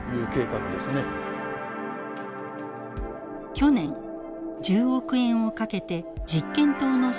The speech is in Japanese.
去年１０億円をかけて実験棟の新設を決定しました。